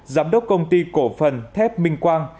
giám đốc công ty cổ phần thép minh quang